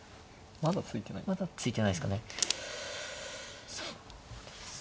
まだ突いてないですかね。